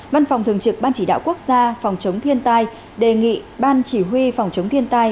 văn phòng thường trực ban chỉ đạo quốc gia phòng chống thiên tai đề nghị ban chỉ huy phòng chống thiên tai